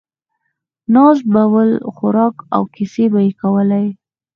ناست به ول، خوراک او کیسې به یې کولې.